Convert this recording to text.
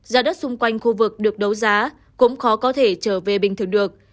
giá đất xung quanh khu vực được đấu giá cũng khó có thể trở về bình thường được